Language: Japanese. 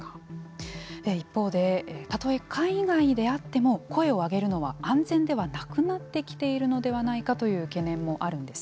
一方で、たとえ海外であっても声を上げるのは安全ではなくなってきているのではないかという懸念もあるんです。